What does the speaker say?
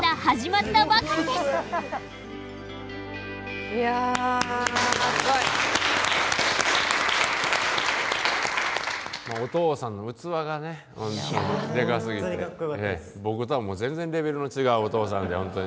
まあお父さんの器がねでかすぎて僕とは全然レベルの違うお父さんで本当に。